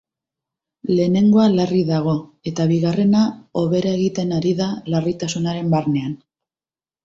Lehenengoa larri dago, eta bigarrena hobera egiten ari da larritasunaren barnean.